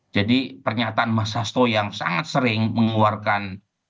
jadi pernyataan mas hasto yang sangat sering mengeluarkan